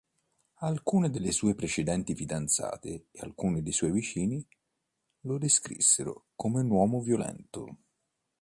Alcune sue precedenti fidanzate e alcuni suoi vicini lo descrissero come un uomo violento.